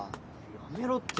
やめろって。